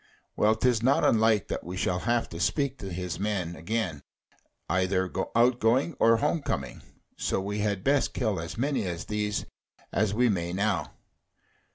Well, 'tis not unlike that we shall have to speak to his men again, either out going or home coming: so we had best kill as many of these as we may now.